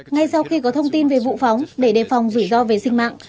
ngay sau khi có thông tin về vụ phóng để đề phòng rủi ro về sinh mạng